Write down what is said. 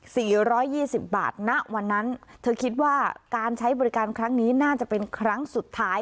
ร้อยยี่สิบบาทณวันนั้นเธอคิดว่าการใช้บริการครั้งนี้น่าจะเป็นครั้งสุดท้าย